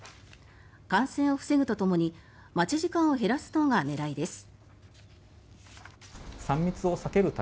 感染を防ぐとともに待ち時間を減らすのが狙いです。